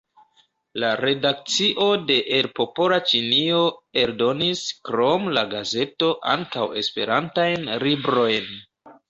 La redakcio de "El Popola Ĉinio" eldonis, krom la gazeto, ankaŭ esperantajn librojn.